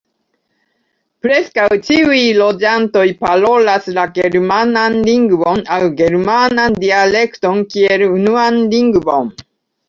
Preskaŭ ĉiuj loĝantoj parolas la germanan lingvon aŭ germanan dialekton kiel unuan lingvon.